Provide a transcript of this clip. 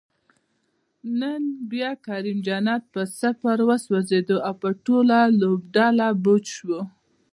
نن بیا کریم جنت په صفر وسوځید، او په ټوله لوبډله بوج شو